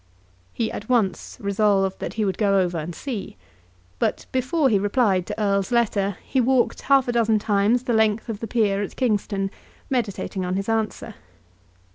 He at once resolved that he would go over and see; but, before he replied to Erle's letter, he walked half a dozen times the length of the pier at Kingston meditating on his answer.